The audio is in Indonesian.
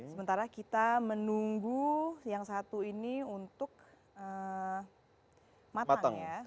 sementara kita menunggu yang satu ini untuk matang ya